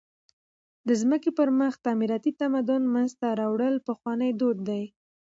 د مځکي پر مخ تعمیراتي تمدن منځ ته راوړل پخوانى دود دئ.